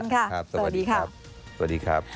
ขอบคุณค่ะสวัสดีครับ